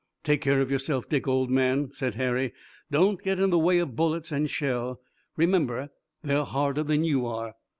"Take care of yourself, Dick, old man!" said Harry. "Don't get in the way of bullets and shell. Remember they're harder than you are."